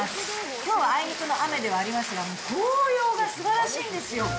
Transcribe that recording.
きょうはあいにくの雨ではありますが、紅葉がすばらしいんですよ。